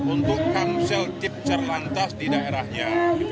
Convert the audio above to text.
untuk kansel tip cerlantas di daerahnya